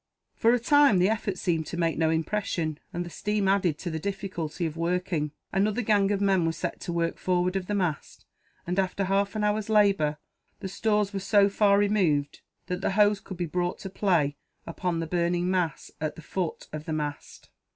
For a time, the efforts seemed to make no impression, and the steam added to the difficulty of working. Another gang of men were set to work, forward of the mast and, after half an hour's labour, the stores were so far removed that the hose could be brought to play upon the burning mass at the foot of the mast.